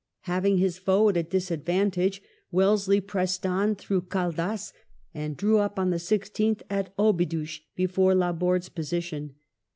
Having his foe at a disadvantage, Wellesley pressed on through Caldas, and drew up on the 16th at Obidos before Laborde's position.